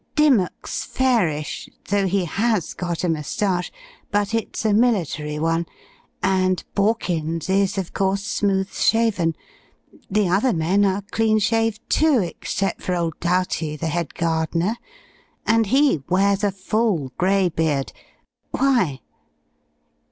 "Dimmock's fairish though he has got a moustache, but it's a military one, and Borkins is, of course, smooth shaven. The other men are clean shaved, too, except for old Doughty, the head gardener, and he wears a full, gray beard. Why?"